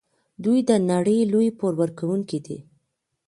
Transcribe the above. دوی د نړۍ لوی پور ورکوونکي دي.